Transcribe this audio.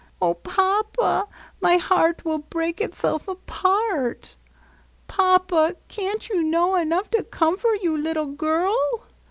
Oh, Papa, my heart will break itself apart. Papa, can't you know enough to comfort you little girl?